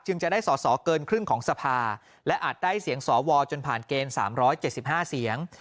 จะได้สอสอเกินครึ่งของสภาและอาจได้เสียงสวจนผ่านเกณฑ์๓๗๕เสียง